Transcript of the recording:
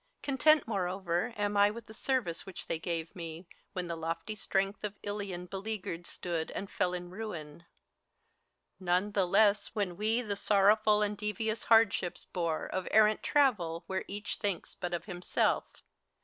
Content, moreover, am I with the service which They g^ve me, when the lofty strength of Ilion Beleaguered stood, and fell in ruin : none the less When we the so rr ow fu l and devious hardships bore Of errant travel, where each thinks but of himself.